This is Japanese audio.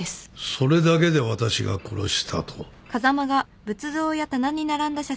それだけで私が殺したと？